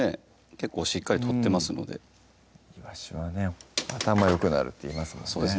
結構しっかり取ってますのでいわしはね頭よくなるっていいますもんね